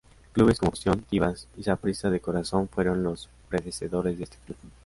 Clubes como Fusión Tibás, y Saprissa de Corazón fueron los predecesores de este club.